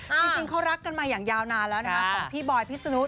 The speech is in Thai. จริงเขารักกันมาอย่างยาวนานแล้วนะคะของพี่บอยพิษนุษ